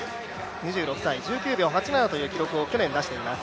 ２６歳、１９秒８７という記録を去年足しています。